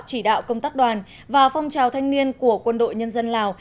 chỉ đạo công tác đoàn và phong trào thanh niên của quân đội nhân dân lào